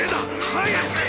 早く！